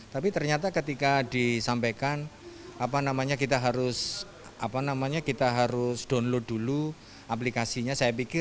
tapi ternyata ketika disampaikan kita harus download dulu aplikasinya